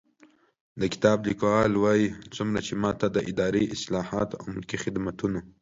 د کتاب لیکوال وايي، څومره چې ما ته د اداري اصلاحاتو او ملکي خدمتونو